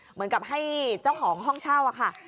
เหมือนกับให้เจ้าของห้องเช่าค่ะ